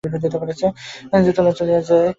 তাহার দৃষ্টিতে মানুষ আসে, চলিয়া যায়, আবার ফিরিয়া আসে।